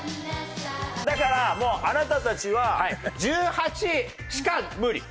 だからもうあなたたちは１８しか無理。